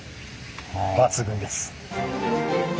抜群です。